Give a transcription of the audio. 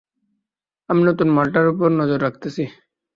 আমি নতুন মালটার উপর নজর রাখতেছি।